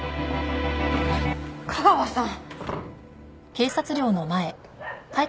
架川さん！